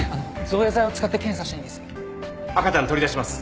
造影剤を使って検査したいんです。